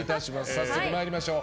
早速参りましょう。